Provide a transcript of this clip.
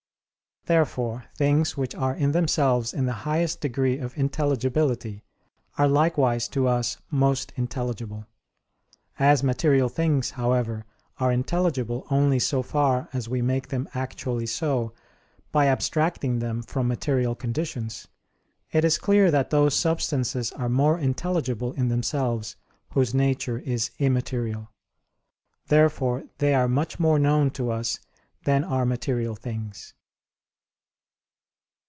Therefore things which are in themselves in the highest degree of intelligibility, are likewise to us most intelligible. As material things, however, are intelligible only so far as we make them actually so by abstracting them from material conditions, it is clear that those substances are more intelligible in themselves whose nature is immaterial. Therefore they are much more known to us than are material things.